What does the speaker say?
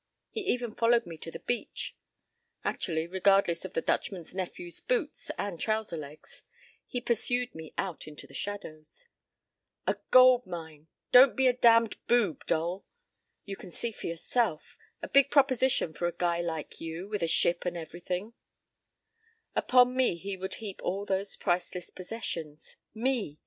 He even followed me to the beach; actually, regardless of the Dutchman's nephew's boots and trouser legs, he pursued me out into the shadows. "A gold mine! Don't be a damned boob, Dole. You can see for yourself, a big proposition for a guy like you, with a ship and everything—" Upon me he would heap all those priceless "possessions." Me!